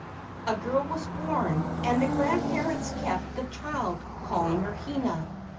A girl was born, and the grandparents kept the child, calling her Hina.